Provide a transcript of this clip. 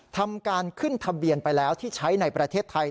ทำการขึ้นทะเบียนไปแล้วที่ใช้ในประเทศไทย